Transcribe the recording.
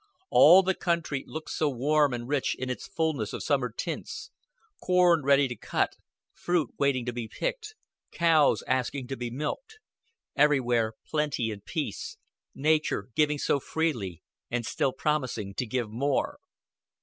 All the country looked so warm and rich in its fulness of summer tints corn ready to cut, fruit waiting to be picked, cows asking to be milked; everywhere plenty and peace; nature giving so freely, and still promising to give more.